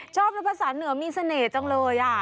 ชอบแล้วภาษาเหนือมีเสน่ห์จังเลย